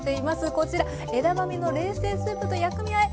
こちら「枝豆の冷製スープ」と「薬味あえ」。